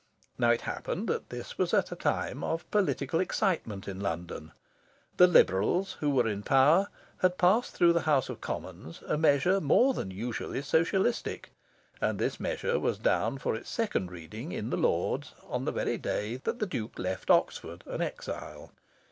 Now, it happened that this was a time of political excitement in London. The Liberals, who were in power, had passed through the House of Commons a measure more than usually socialistic; and this measure was down for its second reading in the Lords on the very day that the Duke left Oxford, an exile.